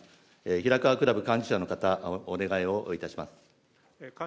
平河クラブ幹事社の方、お願いをいたします。